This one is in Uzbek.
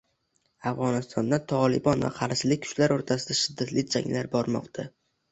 Afg‘onistonda Tolibon va qarshilik kuchlari o‘rtasida shiddatli janglar bormoqda